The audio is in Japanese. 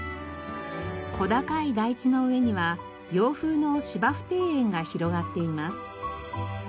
小高い台地の上には洋風の芝生庭園が広がっています。